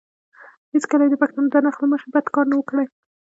هېڅکله یې د پښتنو د نرخ له مخې بد کار نه وو کړی.